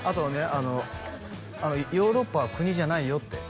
あの「ヨーロッパは国じゃないよ」って